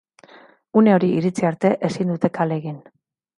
Une hori iritsi arte ezin dute kale egin.